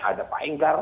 ada pak enggar